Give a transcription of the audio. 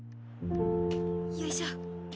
よいしょ。